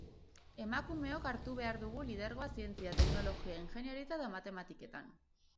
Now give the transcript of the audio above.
Emakumeok hartu behar dugu lidergoa zientzia, teknologia, ingeniaritza eta matematiketan.